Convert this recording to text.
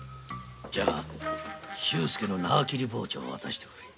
じゃ周介の縄切り包丁を渡してくれ。